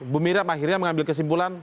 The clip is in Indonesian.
bu miram akhirnya mengambil kesimpulan